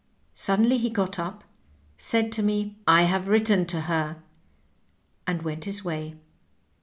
Suddenly he got up, said to me, ^I have written to her,' and went his way.